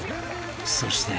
［そして］